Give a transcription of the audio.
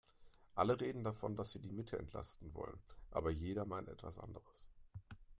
Alle reden davon, dass sie die Mitte entlasten wollen, aber jeder meint etwas anderes.